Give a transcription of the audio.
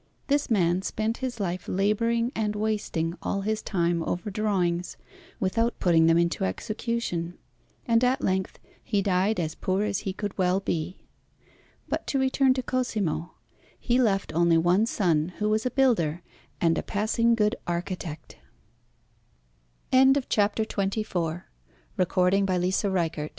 This man spent his life labouring and wasting all his time over drawings, without putting them into execution; and at length he died as poor as he could well be. But to return to Cosimo; he left only one son, who was a builder and a passing good architect. [Illustration: CHRIST HEALING THE LEPER (_Detail from the fresco by